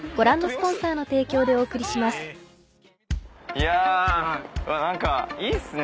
いやいいっすね。